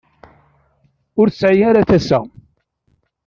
Ur tesɛi ara tasa.